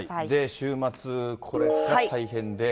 週末、これが大変で。